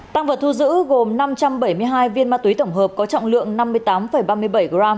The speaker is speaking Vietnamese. tăng vật thu giữ gồm năm trăm bảy mươi hai viên ma túy tổng hợp có trọng lượng năm mươi tám ba mươi bảy g